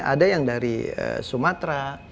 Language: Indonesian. ada yang dari sumatera